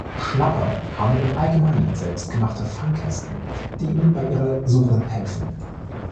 Schnapper haben im Allgemeinen selbstgemachte Fangkästen, die ihnen bei ihrer Suche helfen.